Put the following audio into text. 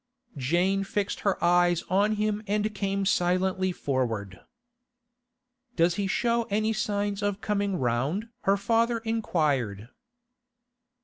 Jane fixed her eyes on him and came silently forward. 'Does he show any signs of coming round?' her father inquired.